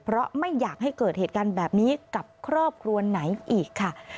เพราะไม่อยากให้เกิดเหตุการณ์แบบนี้กับครอบครัวไหนอีกค่ะ